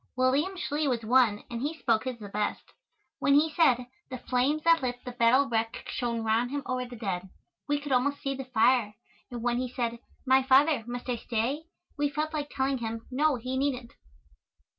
William Schley was one, and he spoke his the best. When he said, "The flames that lit the battle wreck shone round him o'er the dead," we could almost see the fire, and when he said, "My father, must I stay?" we felt like telling him, no, he needn't.